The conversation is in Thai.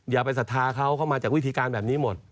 อย่าไปศรัทธาเขาเขามาจากวิธีการแบบนี้หมด